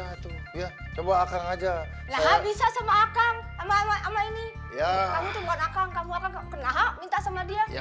tidak pernah punya hasrat sama lelaki